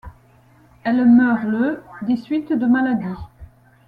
Elle meurt le des suites de maladie.